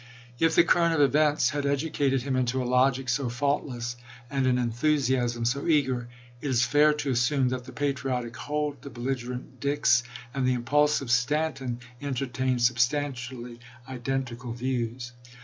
If the current of events had educated him into a logic so faultless and an enthusiasm so eager, it is fair to assume that the patriotic Holt, the belligerent Dix, and the impulsive Stanton en tertained substantially identical views.